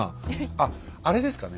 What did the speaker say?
あっあれですかね